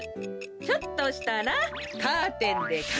ちょっとしたらカーテンでかくします。